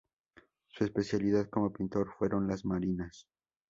Su especialidad como pintor fueron las marinas.